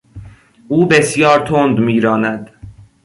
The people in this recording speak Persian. او بسیار تند میراند.